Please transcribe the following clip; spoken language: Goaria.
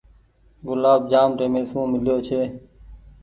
گلآب جآم ٽيمي سون ميليو ڇي۔